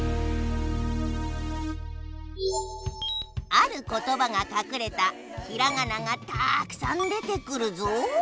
あることばがかくれたひらがながたくさん出てくるぞ。